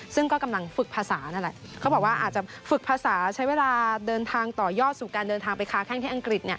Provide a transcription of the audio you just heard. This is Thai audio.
ซึ่งก็กำลังฝึกภาษานั่นแหละเขาบอกว่าอาจจะฝึกภาษาใช้เวลาเดินทางต่อยอดสู่การเดินทางไปค้าแข้งที่อังกฤษ